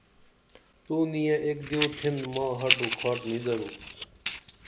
تو نیہ ایک دیو تھین ماں ہڈو کھاٹ نی درو